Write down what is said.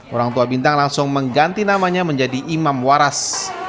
orang tua bintang langsung mengganti namanya menjadi imam waras